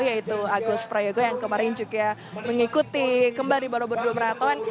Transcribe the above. yaitu agus prayogo yang kemarin juga mengikuti kembali borobudur dua beraton